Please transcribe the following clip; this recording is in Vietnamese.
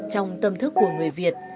trong tâm thức của người việt